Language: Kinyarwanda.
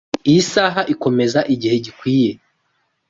Iyi saha ikomeza igihe gikwiye.